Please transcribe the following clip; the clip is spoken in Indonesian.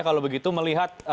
kalau begitu melihat